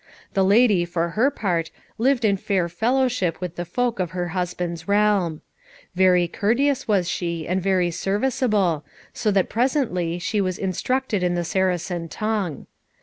The lady, for her part, lived in fair fellowship with the folk of her husband's realm. Very courteous was she, and very serviceable, so that presently she was instructed in the Saracen tongue.